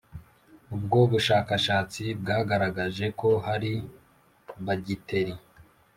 Ubwo bushakashatsi bwagaragaje ko hari bagiteri